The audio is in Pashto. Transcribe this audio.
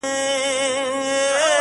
خدای زموږ معبود دی او رسول مو دی رهبر؛